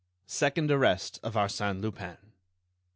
SECOND ARREST OF ARSÈNE LUPIN.